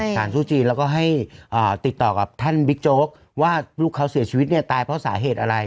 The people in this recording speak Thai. ตู้จีนแล้วก็ให้ติดต่อกับท่านบิ๊กโจ๊กว่าลูกเขาเสียชีวิตเนี่ยตายเพราะสาเหตุอะไร